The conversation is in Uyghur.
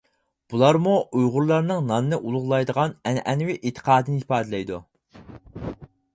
بۇلارمۇ ئۇيغۇرلارنىڭ ناننى ئۇلۇغلايدىغان ئەنئەنىۋى ئېتىقادىنى ئىپادىلەيدۇ.